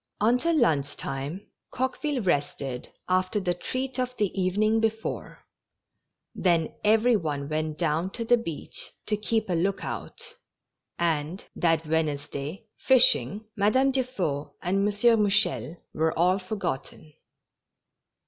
Until lunch time Coqueville rested after the treat of the evening before ; then every one went down to the beach ta keep a look out, and, that Wednesday, fishing, Madame Dufeu and M. Mouchel were all forgotten.